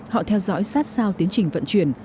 họ theo dõi sát sao tiến trình vận chuyển